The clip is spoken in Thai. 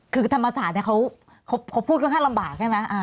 คือธรรมศาสตร์เขาพูดค่อนข้างลำบากใช่ไหม